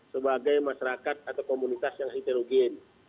sebagai masyarakat atau komunitas yang heterogen